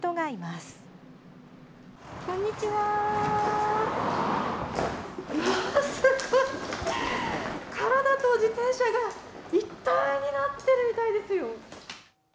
すごい！体と自転車が一体になっているみたいですよ。